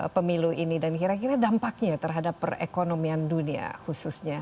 pemilu ini dan kira kira dampaknya terhadap perekonomian dunia khususnya